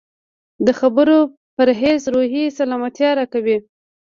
د خبرو پرهېز روحي سلامتیا راکوي.